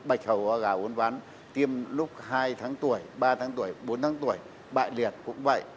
đó là gà uốn ván tiêm lúc hai tháng tuổi ba tháng tuổi bốn tháng tuổi bại liệt cũng vậy